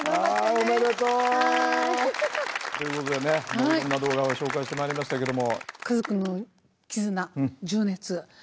おめでとう！ということでねいろんな動画を紹介してまいりましたけども。